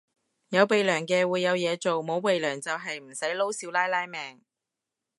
有鼻樑嘅會有嘢做，冇鼻樑就係唔使撈少奶奶命